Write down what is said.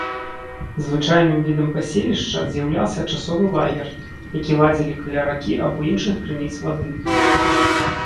Звычайным відам паселішча з'яўляўся часовы лагер, які ладзілі каля ракі або іншых крыніц вады.